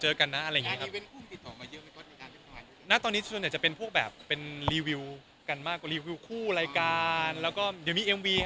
เราพูดเพื่อนบ่อยวันวันนี่เขาจะอ่อนหรืออะไร